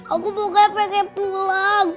aku mau ke pn pulang